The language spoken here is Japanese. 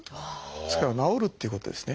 ですから治るっていうことですね。